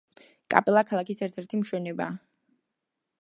კაპელა ქალაქის ერთერთი მშვენებაა.